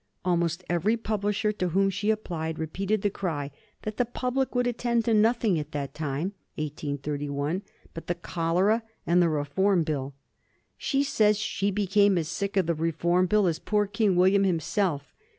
Almost every publisher to whom she applied repeated the cry that the public would attend to nothing at that time (1831) but the cholera and the Reform Bill. She says she became as sick of the Reform Bill as poor King William himself.